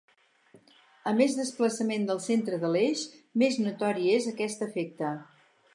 A més desplaçament del centre de l'eix, més notori és aquest efecte.